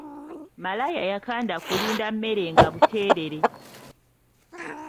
Malaaya yakanda kulinda mmere nga buteerere